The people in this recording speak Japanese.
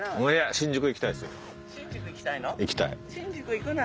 新宿行きたいの？